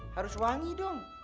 harus wangi dong